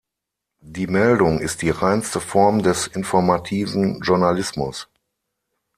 Die Meldung ist die reinste Form des Informativen Journalismus.